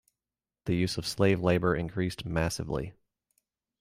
The use of slave labour increased massively.